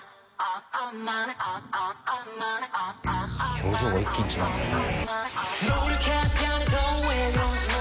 表情が一気に違いますよね。